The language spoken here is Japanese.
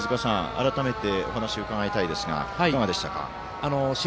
改めて、お話伺いたいですがいかがでしたか？